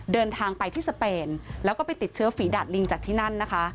เดินทางไปที่สเปนแล้วก็ไปติดเชื้อฝีดาดลิงจากที่นั่นนะคะ